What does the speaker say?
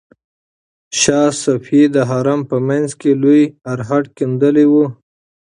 شاه صفي د حرم په منځ کې لوی ارهډ کیندلی و.